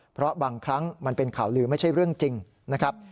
เพราะบางครั้งมันเป็นข่าวลือไม่ใช่เรื่องจริงนะครับ